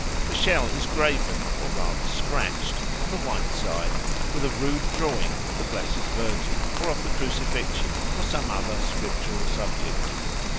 The shell is graven, or rather scratched, on the white side with a rude drawing of the Blessed Virgin or of the Crucifixion or some other scriptural subject.